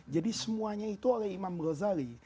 jadi semuanya itu oleh imam ghazali